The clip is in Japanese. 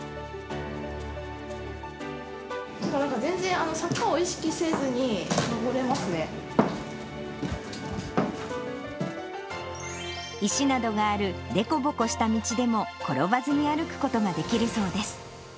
全然坂を意識せずに、石などがあるでこぼこした道でも、転ばずに歩くことができるそうです。